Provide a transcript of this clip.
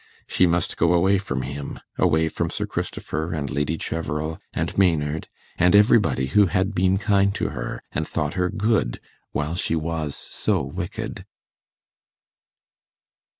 She must go away from him, away from Sir Christopher, and Lady Cheverel, and Maynard, and everybody who had been kind to her, and thought her good while she was so wicked.